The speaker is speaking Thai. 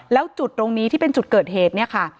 แล้วจุดตรงนี้ที่เป็นจุดเกิดเหตุเนี่ยค่ะ